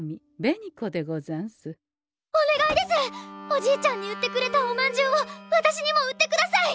おじいちゃんに売ってくれたおまんじゅうを私にも売ってください！